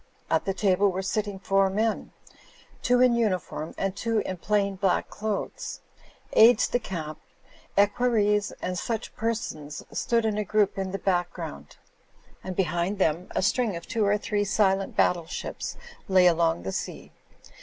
At the table were sitting four men, two fti uniform and two in plain black clothes. Aides de camps, equer ries and such persons stood in a group in the back ground; and behind them a string of two or three silent battle ships lay along the sea.